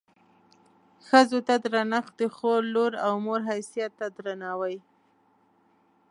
ښځو ته درنښت د خور، لور او مور حیثیت ته درناوی.